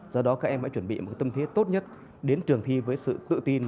do đó các em đã chuẩn bị một tâm thế tốt nhất đến trường thi với sự tự tin